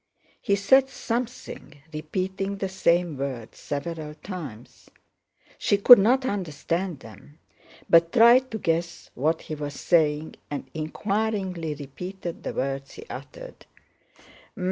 He said something, repeating the same words several times. She could not understand them, but tried to guess what he was saying and inquiringly repeated the words he uttered.